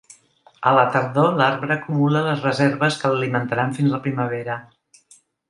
A la tardor, l'arbre acumula les reserves que l'alimentaran fins la primavera.